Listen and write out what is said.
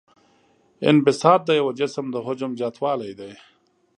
انبساط د یو جسم د حجم زیاتوالی دی.